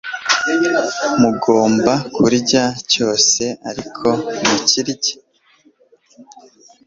mugomba kurya cyose ariko mukirye